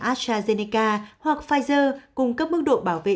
astrazeneca hoặc pfizer cung cấp mức độ bảo vệ